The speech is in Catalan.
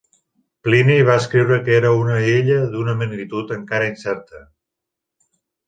Plini va escriure que era una illa "d'una magnitud encara incerta".